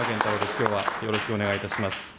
きょうはよろしくお願いいたします。